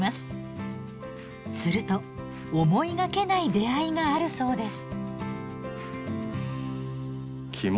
すると思いがけない出会いがあるそうです。